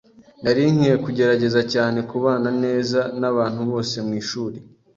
Nari nkwiye kugerageza cyane kubana neza nabantu bose mwishuri.